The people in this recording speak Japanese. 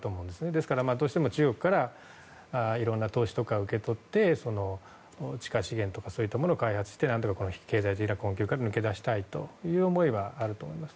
ですから、どうしても中国からいろんな投資とかを受け取って地下資源とかそういったものを開発して何とか経済的な困窮から抜け出したいという思いはあると思います。